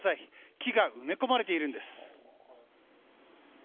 木が埋め込まれているんです。